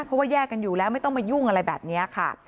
เพราะว่าแยกกันอยู่แล้วไม่ต้องมายุ่งอะไรแบบนี้ค่ะ